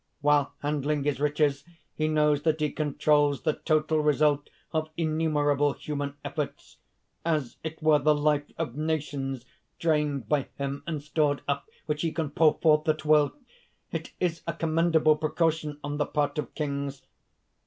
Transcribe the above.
While handling his riches he knows that he controls the total result of innumerable human efforts as it were the life of nations drained by him and stored up, which he can pour forth at will. It is a commendable precaution on the part of Kings.